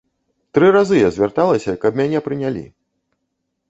Тры разы я звярталася, каб мяне прынялі.